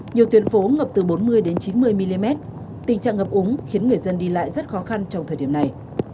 nhiều tuyến phố ngập từ bốn mươi đến chín mươi mm tình trạng ngập úng khiến người dân đi lại rất khó khăn trong thời điểm này